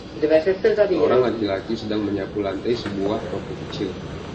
Seorang laki-laki sedang menyapu lantai sebuah toko kecil